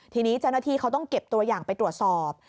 ทีนี้เจ้าหน้าที่เขาต้องเก็บตัวอย่างไปตรวจสอบ